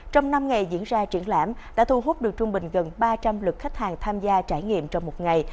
trong năm ngày diễn ra triển lãm đã thu hút được trung bình gần ba trăm linh lực khách hàng tham gia trải nghiệm trong một ngày